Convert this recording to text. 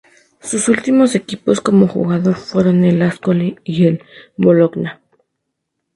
Sus últimos equipos como jugador fueron el Ascoli y el Bologna.